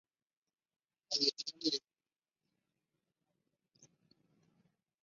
La edición y distribución del disco estuvo a cargo de Cósmica Discos.